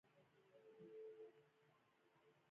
بل يې موټ ور خلاص کړ.